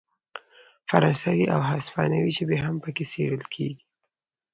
فرانسوي او هسپانوي ژبې هم پکې څیړل کیږي.